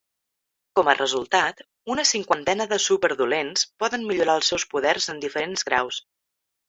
Com a resultat, una cinquantena de super dolents poden millorar els seus poders en diferents graus.